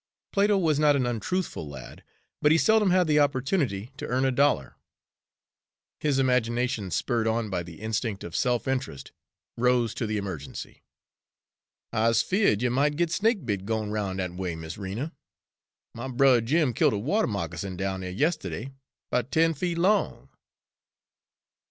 Plato was not an untruthful lad, but he seldom had the opportunity to earn a dollar. His imagination, spurred on by the instinct of self interest, rose to the emergency. "I's feared you mought git snake bit gwine roun' dat way, Miss Rena. My brer Jim kill't a water moccasin down dere yistiddy 'bout ten feet long."